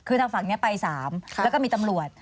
คือทางฝั่งนี้ไป๓แล้วก็มีตำรวจ